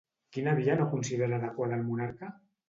Quina via no considera adequada el monarca?